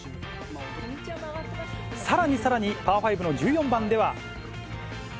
さらにさらにパー５の１４番では。